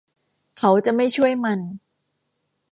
เขาจะไม่ช่วยมัน